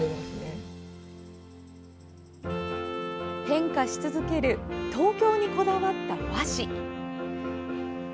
変化し続ける東京にこだわった和紙。